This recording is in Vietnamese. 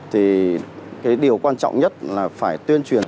thì điều quan trọng nhất là phải tuyên truyền